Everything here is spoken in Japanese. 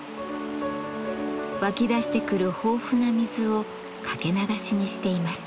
湧き出してくる豊富な水をかけ流しにしています。